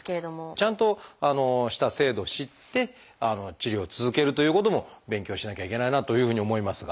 ちゃんとした制度を知って治療を続けるということも勉強しなきゃいけないなというふうに思いますが。